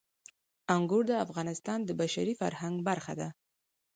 انګور د افغانستان د بشري فرهنګ برخه ده.